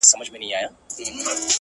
په دغسي شېبو كي عام اوخاص اړوي سـترگي”